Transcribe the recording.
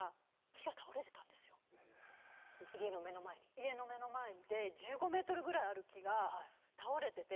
家の目の前で１５ｍぐらいある木が倒れてて。